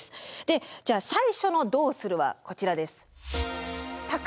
で最初の「どうする？」はこちらです。